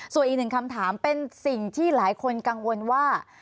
ส่วนอีกหนึ่งคำถามเป็นสิ่งที่หลายคนกังวลว่า